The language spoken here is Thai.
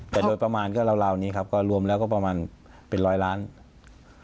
แต่โดยประมาณก็เหล่านี้ครับก็รวมแล้วก็ประมาณเป็น๑๐๐ล้านบาท